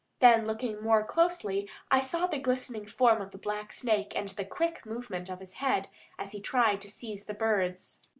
Then, looking more closely, I saw the glistening form of the black snake and the quick movement of his head as he tried to seize the birds.